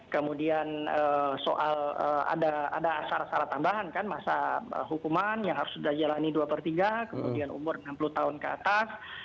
kemudian soal ada syarat syarat tambahan kan masa hukuman yang harus sudah dijalani dua per tiga kemudian umur enam puluh tahun ke atas